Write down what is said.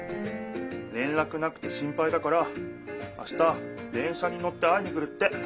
れんらくなくて心ぱいだからあした電車に乗って会いに来るって。